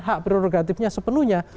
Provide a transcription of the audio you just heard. hak prerogatifnya sepenuhnya